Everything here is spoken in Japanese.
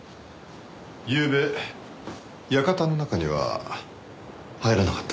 ゆうべ館の中には入らなかったんですか？